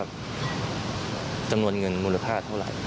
จำนวนเงินมูลค่าเท่าไหร่